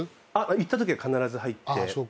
行ったときは必ず入って。